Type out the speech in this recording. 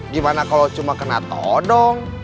gimana kalau cuma kena todong